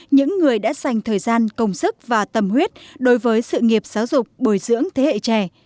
những người đã dành thời gian công sức và tâm huyết đối với sự nghiệp giáo dục bồi dưỡng thế hệ trẻ